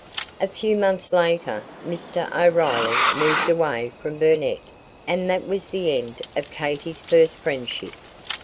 A few months later Mr. O'Riley moved away from Burnet, and that was the end of Katy's first friendship.